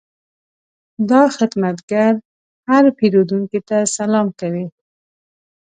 دا خدمتګر هر پیرودونکي ته سلام کوي.